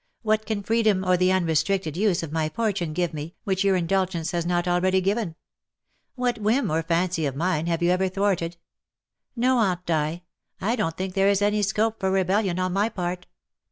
What can freedom or the unrestricted use of my fortune give me, which your indulgence has not already given ? What whim or fancy of mine LOVES YOU AS OF OLD." 113 have you ever thwarted ? No, Aunt Di, I don^t think there is any scope for rebellion on my part."